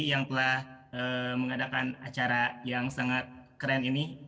yang telah mengadakan acara yang sangat keren ini